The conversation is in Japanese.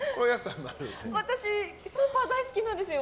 私スーパー大好きなんですよ。